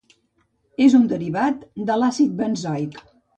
És un derivat de l'àcid benzoic.